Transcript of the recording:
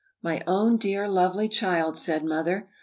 "] "My own dear, lovely child!" said Mother.